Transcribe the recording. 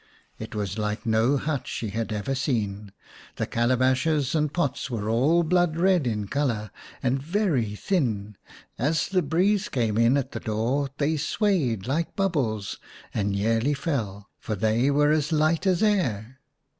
It was like no hut she had ever seen. The calabashes and pots were all blood red in colour, and very thin; as the breeze came in at the door they swayed like bubbles and nearly fell, for they were as light as air.